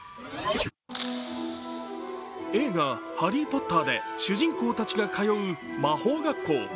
映画「ハリー・ポッター」で主人公たちが通う魔法学校。